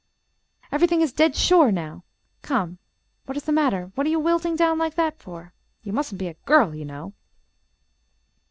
Everything is dead sure, now. Come, what is the matter? What are you wilting down like that, for? You mustn't be a girl, you know."